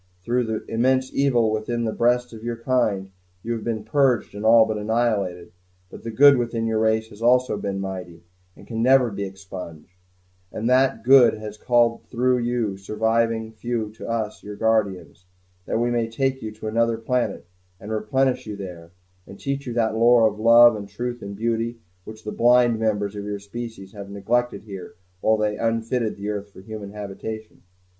Through the immense evil within the breasts of your kind, you have been purged and all but annihilated; but the good within your race has also been mighty, and can never be expunged; and that good has called through you surviving few to us your guardians, that we may take you to another planet, and replenish you there, and teach you that lore of love and truth and beauty which the blind members of your species have neglected here while they unfitted the earth for human habitation."